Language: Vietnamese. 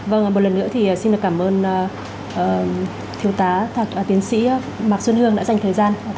vâng một lần nữa thì xin cảm ơn thiếu tá tiến sĩ mạc xuân hương đã dành thời gian